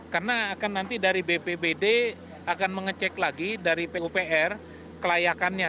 karena akan nanti dari bpbd akan mengecek lagi dari pupr kelayakannya